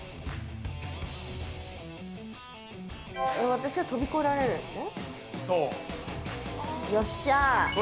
私は飛び越えられるんですね。